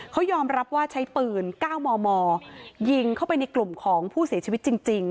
เขายอมรับว่าใช้ปืน๙มมยิงเข้าไปในกลุ่มของผู้เสียชีวิตจริง